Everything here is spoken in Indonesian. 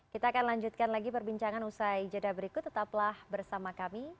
kita akan lanjutkan lagi perbincangan usai jeda berikut tetaplah bersama kami